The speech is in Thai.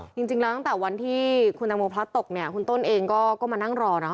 จริงแล้วตั้งแต่วันที่คุณตังโมพลัดตกเนี่ยคุณต้นเองก็มานั่งรอนะ